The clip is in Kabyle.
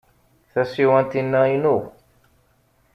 Tasiwant-inna inu.